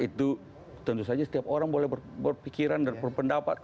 itu tentu saja setiap orang boleh berpikiran dan berpendapat